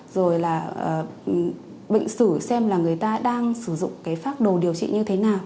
rồi là bệnh sử xem là người ta đang sử dụng pháp đồ điều trị như thế nào